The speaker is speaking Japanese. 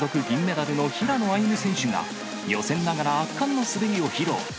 銀メダルの平野歩夢選手が、予選ながら圧巻の滑りを披露。